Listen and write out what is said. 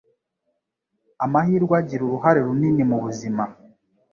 Amahirwe agira uruhare runini mubuzima.